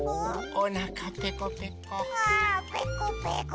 おなかペコペコ。